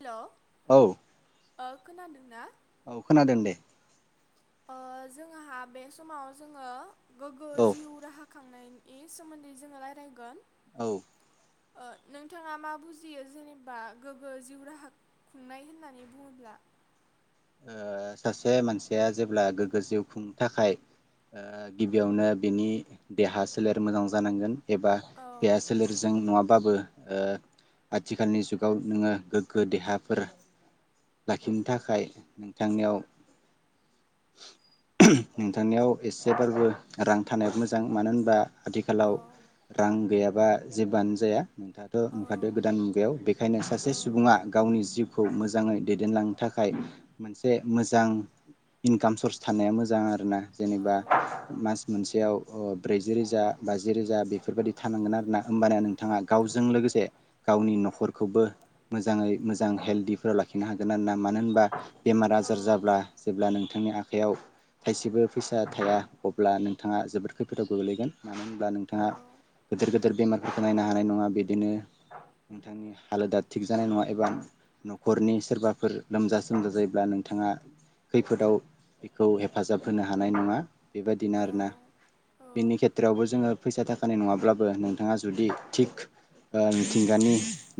Hello औ ओ खोनादोंना औ खोनादों दे ओ जोंहा बे समाव जोङो गोग्गो औ जिउ राहा खांनायनि इनि सोमोन्दै जोङो लायरायगोन औ ओ नोंथाङा मा बुजियो जेनेबा गोग्गो जिउ राहा खुंनाय होननानै बुङोब्ला ओ सासे मानसिया जेब्ला गोग्गो जिउ खुंनो थाखाय ओ गिबियावनो बिनि देहा सोलेर मोजां जानांगोन एबा औ बेहा सोलेरजों नुङाबाबो ओ आथिखालनि जुगाव नोङो गोग्गो देहाफोर लाखिनो थाखाय नोंथांनियाव नोंथांनियाव एसे बारबो रां थानाया मोजां मानो होनबा औ आथिखालाव रां गैयाबा जेबोआनो जाया नोंथाङाथ औ नुंखादो गोदान मुगायाव बेखायनो औ सासे सुबुङा गावनि जिउखौ मोजां जाङै दैदेनलांनो थाखाय नसे मोजां इनकाम सर्स थानाया मोजां आरोना औ जेनेबा मास मोनसेयाव ब्रैजि रोजा बाजि रोजा बेफोरबादि थानांगोन आरोना होमबाना नोंथाङा गावजों लोगोसे गावनि नखरखौबो मोजाङै मोजां हेल्दिफोराव लाखिनो हागोन आरो ना मानो होनबा बेमार औ आजार जाब्ला जेब्ला नोंथांनि आख आखायाव थायसेबो फैसा थाया अब्ला नोंथाङा जोबोद खैफोदाव गोग्लैगोन मानो होनब्ला नोंथाङा गोदोर गोदोर बेमार नायनो हानाय नङा बिदिनो नोंथांनि हालोदा थिग जानाय नङा एबा नखरनि सोरबाफोर लोमजा सोमजा जायो अब्ला नोंथाङा खैफोदाव बेखौ हेफाजाब होनो हानाय नङा बेबायदिनो औ आरोना औ बिनि खेथ्रआवबो जोङो फैसा थाखानाय नङाब्लाबो नोंथाङा जुदि थिग ओ मिथिंगानि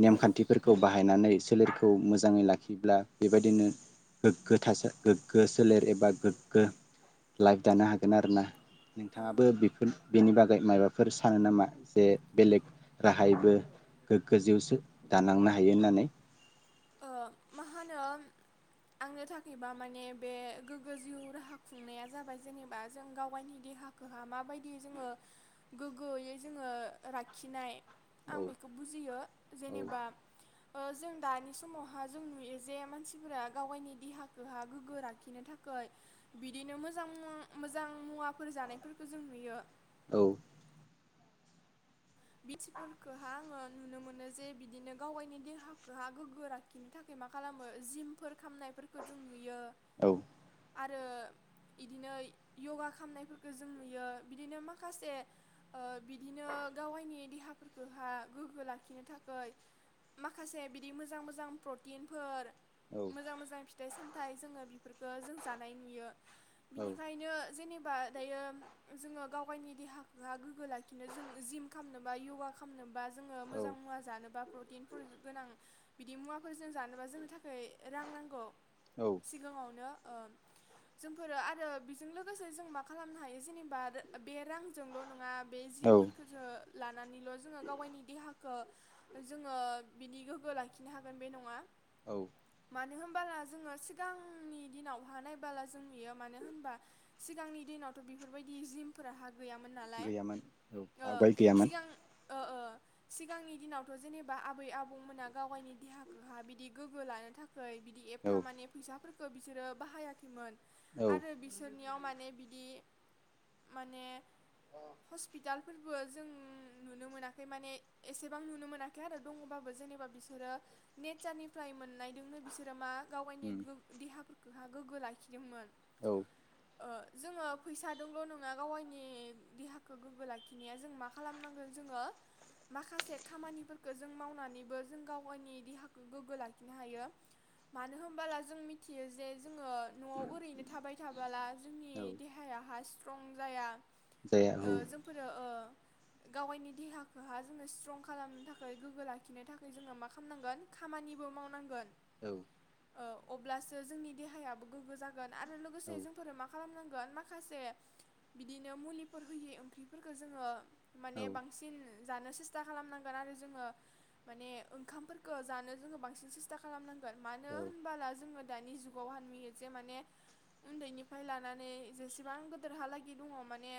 नेमखान्थिफोरखौ बाहायनानै सोलेरखौ मोजाङै लाखिब्ला बेबायदिनो गोग्गो थास गोग्गो सोलेर एबा गोग्गो लाइफ दानो हागोन आरोना नोंथाङाबो बेफोर बेनि बागै मायबाफोर सानो नामा जे बेलेग राहायैबो गोग्गो जिउसो दानांनो हायो होननानै ओ मा होनो आंनो थाखायबा माने बे गोग्गो जिउ राहा खुंनाया जाबाय जेनेबा जों गाव गावनि देहाखौहा माबायदि जोङो गोग्गोयै जोङो लाखिनाय आं औ बेखौ बुजियो औ जेनेबा ओ जों दानि समावहा जों नुयो जे मानसिफोरा गाव गावनि देहाखौहा गोग्गो लाखिनो थाखाय बिदिनो मोजां मोजां मुवा फोर जानायफोरखौ जों नुयो औ बिथिफोरखौहा आङो नुनो मोनो जे बिदिनो गावाइनि देहाखौहा गोग्गो लाखिनो थाखाय मा खालामो जिमफोर खामनायफोरखो जों नुयो औ आरो बिदिनो यगा खामनायफोरखो जों नुयो बिदिनो माखासे ओ बिद नि देहाफोरखौहा गोग्गो लाखिनो थाखाय माखासे बिदि मोजां मोजां प्रटिनफोर औ मोजां मोजां फिथाइ साम नाथाय जोङो बेफोरखो जों जानाय नुयो बिनिखायनो जेनेबा बा दायो जोङो गाव गायनि देहाखौहा गोग्गो लाखिनो जों जिम खामनोबा यगा खामनो बा जोङो मोजां मुवा जानोबा प्रटिनफोर गोनां बिदि मुवाफोरजों जानोबा जोंनो थाखाय खै रां नांगौ सिगाङावनो ओ जोंफोरो आरो बेजों लोगोसे जों मा खालामनो हायो जेनेबा बे रांजोंल' नङा बे औ जिमफोरखो जो लानानैल' जोङो गाव गायनि देहाखो जोङो बिनि गोग्गो लाखिनो हागोन बे नङा औ मानो होनबाला जोङो सिगांनि दिनाव हा नायबोला जों नुयो मानो होनबा सिगांनि दिनावथ' बेफोरबायदि जिमफोराहा गैयामोन नालाय गैयामोन औ ओ आवगाय गैया सिगां ओ ओ सिगांनि दिनावथ' जेनेबा आबै आबौमोना गाव गायनि देहाखोहा बिदि गोग्गो लानो थाखाय खै बिदि औ एफा माने फैसाफोर खो बिसोरो बाहायाखैमोन औ आरो बिसोरनियाव माने बिदि माने हस्पिटाल फोरबो जों ओ नुनो मोनाखै माने एसेबां नुनो मोनाखै आरो दङबाबो जेनेबा बिसोरो नेचारनिफ्राय मोननायदोंनो बिसोरो मा गाव गायनि उम गोग्ग देहा हा गोग्गो लाखिदोंमोन औ ओ जोङो फैसा मदोंल' नङा गाव गायनि देहाखौ गोग्गो लाखिनाया जों मा खालामनांगोन जोङो माखासे खामानिफोरखौ जों मावनानैबो जों गाव गायनि देहाखौ गोग्गो लाखिनो हायो मानो होमबोला जों मिथियो जे जोङो न'आव ओरैनो थाबाय थाबोला जोंनि औ देहायाहा स्ट्रं जाया जाया औ ओ औ जोंफोरो ओ गावाइनि देहाखौहा जोङो स्ट्रं खालामनो थाखै गोग्गो लाखिनो थाखै जोङो मा खालामनांगोन खामानिबो मावनांगोन। औ ओ अब्लासो जोंनि देहायाबो गोग्गो जाग ओन आरो औ लोगोसे जोंफोर मा खालामनांगोन। गोन माखासे बिदिनो मुलिफोर होयै ओंख्रिफोरखौ जोङो। माने बांसिन जानो सेस्था खालामनांगोन आरो जोङो माने ओंखामफोरखौ जानो जोङो बांसिन सेस्था खालामनांगोन। मानो औ होनबाला जोङो। दानि जुगावहा नुयो जे माने उन्दैनिफ्राय लानानै जेसेबां गेदोरहालागै दङ माने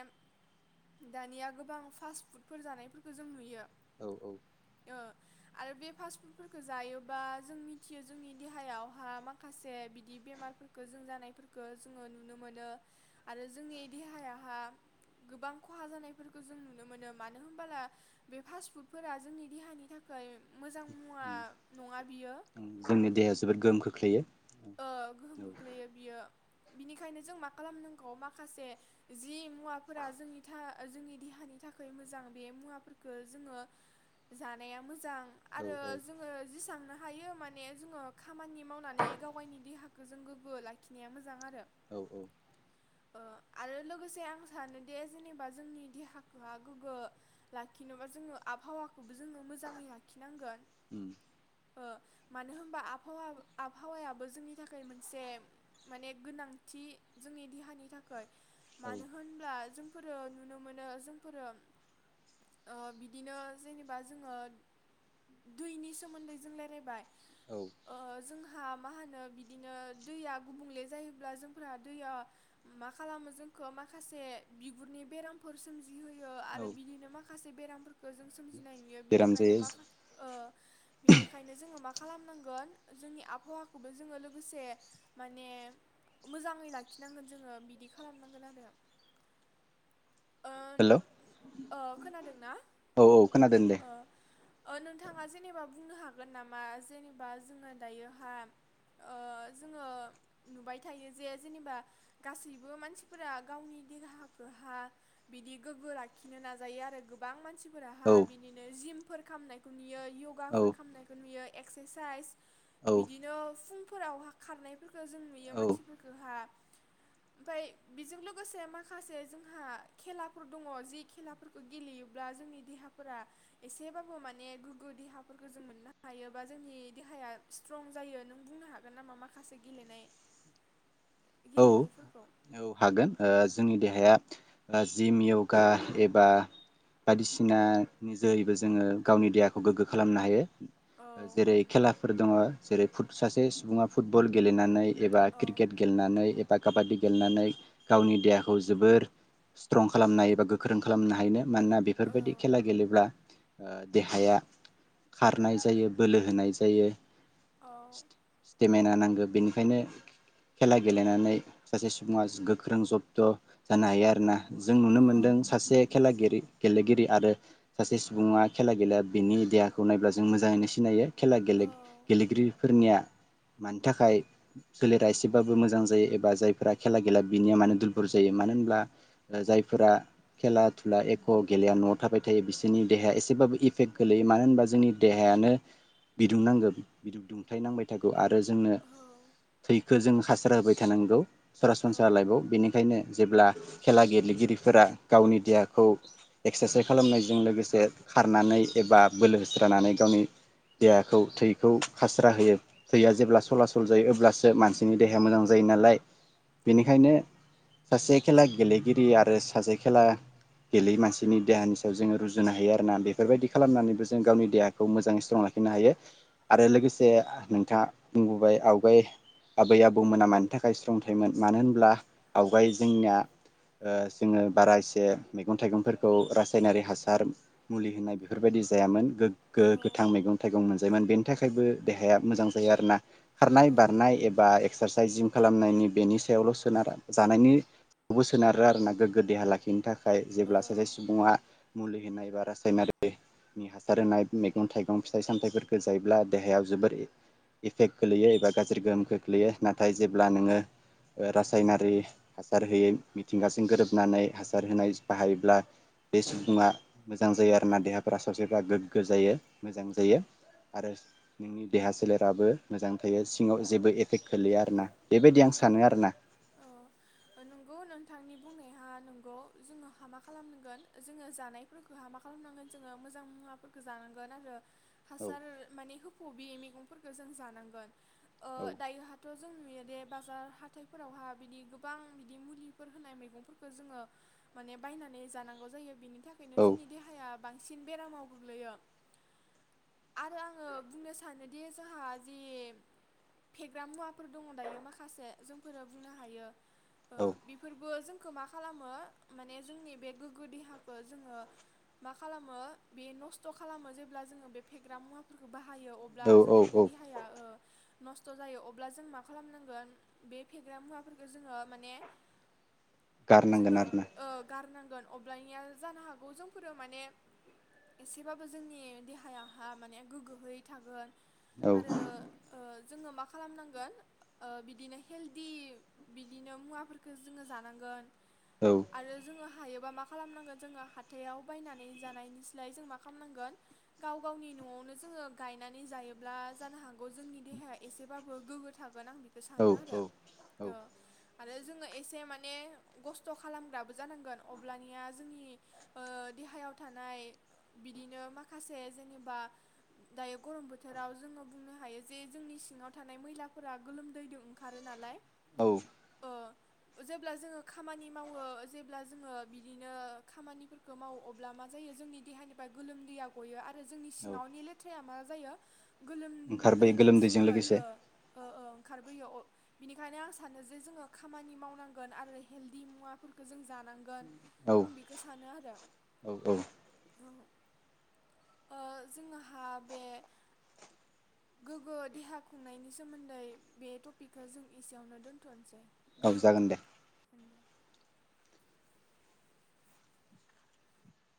दानिया गोबां फास्ट फुडफोर जानायफोरखौ जों नुयो औ औ ओ आरो बे फास फुडफोरखौ जायोबा जों मिथियो जोंनि देहायावहा माखासे बिदि बेमारफोरखौ जों जानायफोरखौ जोङो नुनो मोनो आरो जोंनि देहायाहा गोबां खहा जानायफोरखौ जों नुनो मोनो। नो मोनो मानो होनबोला बे फास्ट फुडफोरा जोंनि देहानि थाखाय मोजां। मुवा नङा बियो जोंनि देहाया जोबोद गोहोम खोख्लैयो ओ गोहोम औ खोख्लैयो बियो। बिनिखायनो जों मा खालामनांगौ माखासे जि मुवाफोरा जोंनि जोंनि देहानि थाखाय मोजां बे मुवाफोरखौ जोङो जानाया मोजां आरो औ औ जोङो जेसांनो हायो माने जोङो खामानि मावनानै गावाइनि देहाखौ जों गोग्गो लाखिनाया मोजां आरो औ औ ओ आरो लोगोसे आं सानोदे जेनेबा जोंनि देहाखौहा गोग्गो लाखिनोबा जोङो आबहावाखौबो जोङो मोजाङै लाखिनांगोन। उम ओ मानो होमबा आबहावा आ आबहावायाबो जोंनि थाखाय मोनसे माने गोनांथि जोंनि देहानि थाखै। औ मानो होनब्ला जों फोरो नुनो मोनो जोंफोरो ओ बिदिनो जेनेबा जोङो दैनि सोमोन्दै जों राय्लायबाय। औ ओ जों हा मा होनो बिदिनो दैया गुबुंले जायोब्ला जोंफोरा दैयाव मा खालामो जोंखौ माखासे बिगुरनि बेरामफोर सो जि होयो औ आरो बिदिनो मा माखासे बेरामफोरखौ जों जों सोमजिनाय नुयो बेराम बिनिखायनो जायो माखा ओ बिनिखायनो जोङो मा खालामनांगोन जोंनि हौवाखौबो जोङो लोगोसे माने मोजाङै लाखिनांगोन जोङो बिदि खालामनांगोन आरो ओ हेल' औ ओ खोनादोंना औ खोनादों दे ओ ओ नोंथाङा जेनेबा बुंनो हागोन नामा जेनेबा जोङो दायो। हा ओ जोङो नुबाय थायो जे जेनेबा गासैबो मानसिफोरा गावनि देहाखौहा बिदि गोग्गो लाखिनो नाजायो आरो गोबां मानसि फोराहा औ बिदिनो जिम फोर खामनायखौ नुयो औ य'गाफोर खालामनायखौ नुयो एक्सारसाइज औ बिदिनो फुंफोरावहा खारनायफोरखौ जों नुयो मानसिफोरखौहा ओमफ्राय बेजों लोगोसे माखासे जोंहा खेलाफोर दङ जि खेलाफोरखौ गेलेयोब्ला जोंनि देहाफोरा एसेबाबो माने गोग्गो देहाफोरखौ जों मोननो हायो बा जोंनि देहाया स्ट्रं जायो नों बुंनो हागोन नामा माखासे गेलेनाय औ गेलेमुफोरखौ? औ हागोन ओ जोंनि देहाया ओ जिम य'गा एबा बायदिसिना नि जोरैबो जोङो गावनि देहाखौ गोग्गो खालामनो औ हायो। जेरै खेलाफोर दङ। जेरै फुट सासे सुबुङा फुटबल गेलेनानै एबा औ क्रिकेट गेलेनानै बा काबादि गेलनानै गावनि देहाखौ जोबोर स्ट्रं खालामनो हायो एबा गोख्रों खालामनो हायो। मानोना बेफोरबायदि खेला गेलेब्ला ओ देहाया खारनाय जायो बोलो होनाय जायो औ स्टेमिना नांगौ बेनिखायनो खेला गेलेनानै सासे सुबुङा गोख्रों जब्थ' जानो हायो आरोना। जों नुनो मोन्दों औ सासे खेला गिरि गेलेगिरि आरो सासे सुबुङा खेला गेलेया बिनि देहाखौ नायब्ला जों मोजाङैनो सिनायो। खेला गेले औ गेलेगिरिफोरनिया मानि थाखाय सोलेरा एसेबाबो मोजां जायो एबा जायफोरा खेला गेला बिनिया मानो दुरबल जायो मानो होनब्ला अ जायफोरा खेला थुला एक' गेलेया न'आव थाबाय थायो बिसोरनि देहाया एसेबाबो इफेक्ट गोलैयो मानो होनबा जोंनि देहायानो बिदुंनांगौ बि दुंथाय नांबाय थागौ आरो जोंनो औ थैखो जों हासार होबाय थानांगौ सरासन औ लाइफआव बेनिखायनो जेब्ला खेला गेलेगिरिफोरा गावनि देहाखौ एक्सारसाइस खालामनायजों लोगोसे खारनानै एबा बोलो होस्रानानै गावनि देहाखौ थैखौ खास्रा होयो थैया जेब्ला सला सल जायो अब्लासो मानसिनि देहाया मोजां जायो नालाय। बेनिखायनो सासे खेला गेलेगिरि आरो सासे खेला गेलेयै मानसिनि देहानि सायाव जोङो रुजुनो हायो आरोना बेफोरबायदि खालामनानैबो जों गावनि देहाखौ मोजाङै स्ट्रं लाखिनो हायो आरो लोगोसे नोंथाङा बुंबोबाय आवगाय आबै आबौमोना मानि थाखाय स्ट्रं थायोमोन। मानो होनब्ला आवगाय जोंनिया ओ जोङो बारा एसे मैगं-थाइगंफोरखौ रासायनारि हासार मुलि होनाय बेफोरबायदि जायामोन गोग्गो गोथां मैगं-थाइगं मोनजायोमोन बेनि थाखायबो देहाया मोजां जायो आरोना औ खारनाय बारनाय एबा एक्सारसाइस जिम खालामनायनि बेनि सायावल' सोनारा जानायनिबो सोनारो आरो ना गोग्गो देहा लाखिनो थाखाय। खाय जेब्ला औ सासे सुबुङा मुलि होनाय एबा रासायनारिनि हासार होनाय मैगं-थाइगं फिथाइ सामथायाइफोरखौ जायोब्ला देहायाव जोबोर इफेक्ट गोलैयो एबा गाज्रि गोहोम खोख्लैयो नाथाय जेब्ला नोङो ओ रासायनारि हासार होयै मिथिंगासिं गोरोबनानै हासार होनाय बाहायोब्ला बे सुबुङा मोजां जायो आरोना देहाफ्रा सावस्रिफ्रा गोग्गो जायो मोजां जायो आरो नोंनि देहा सोलेराबो मोजां थायो सिङाव जेबो एफेक्ट गोलैया आरोना। बेबायदि आं औ सानो आरो ना। औ अ नंगौ नोंथांनि बुंनाया नंगौ जोङो हा मा खालामनांगोन जोङो जानायफोरखौ हा मा खालामनांगोन जोङो मोजां मुवाफोरखौ जानांगोन आरो। औ हासार माने हो खबि मैगंफोरखौ जों जानांगोन ओ औ दायोहाथ' जोंनि दे बाजार हाथाइफोरावहा बिदि गोबां बिदि मुलिफोर होनाय मैगंफोरखौ जोङो माने बायनानै जानांगौ जायो बिनि बिनि थाखायनो औ जोंनि देहाया बांसिन बेरामाव गोग्लैयो आरो आङो बुंनो सानोदि जोंहा जे फेग्रा मुवाफोर दङ दायो माखा खासे जोंफोरो बुंनो हायो अ बेफोरबो जोंखौ मा खालामो माने जोंनि बे गोग्गो देहाखौ जोङो मा खालामो बे नस्थ' खालामो जेब्ला जोङो बे फेग्रा मुवाफोरखौ बाहा हायो अब्ला औ औ जोंफोरनि औ देहाया नस्थ' जायो अब्ला जों मा खालामनांगोन बे फेग्रा मुवाफोरखौ जोङो माने गारनांगोन जोङो आरोना ओ गारनांगोन अब्लानिया जानो हागौ जोंफोरो माने एसेबाबो जोंनि देहायाहा माने गोग्गोयै थागोन औ आरो ओ जोङो मा खालामनांगोन ओ बिद बिदिनो हेल्दि बिदिनो मुवाफोरखौ जोङो जानांगोन औ आरो जोङो हायो मा खालामनांगोन जोङो हाथायाव बायनानै जानायनिसलाय जों मा खालामनांगोन गाव गावनि नआवनो जोङो गायनानै जायोब्ला जानो हागौ जोंनि देहाया एसेबाबो गोग्गो थागोन आं बेखौनो बे सानो आरो औ ओ आरो जोङो एसे माने खस्थ खालामग्राबो जानांगोन अब्लानिया जोंनि देहायाव थानाय बिदिनो माखासे जेनेबा दायो गरम बोथोराव जोङो बुंनो हायो जे जोंनि सिङाव थानाय मैलाफोरा गोलोम दैजों ओंखारो नालाय औ ओ जेब्ला जोङो खामानि मावो जेब्ला जोङो बिदिनो खामानिफोरखौ मावो अब्ला मा जायो जोंनि देहानिफ्राय गोलोमदैया गयो आरो जोंनि औ औ सिङावनि लेथ्राया मा जायो ओंखारबोयो गोलोमदैनि गोलोमदैजों थ्रुयैहाय लोगोसे ओ उम उम ओंखारबोयो बिनिखायनो आं सानो जे जोङो खामानि मावनांगोन आरो हेल्दि मुवाफोरखौ जों जानांगोन औ आं बेखौ सानो आरो ग [unintelligible] औ औ ओ जोंहा बे गोग्गो देहा खुंनायनि सोमोन्दै बे टपिकखौ जों एसेयावनो दोन्थनोसै औ जागोन दे